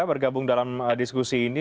bergabung dalam diskusi ini